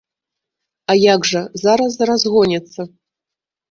А як жа, зараз разгоняцца!